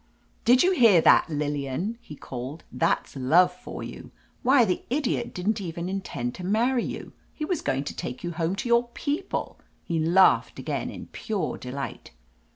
"Did you hear that, Lillian?" he called. "That's love for you! Why, the idiot didn't even intend to marry you ! He was going to take you home to your people!" He laughed again in pure delight.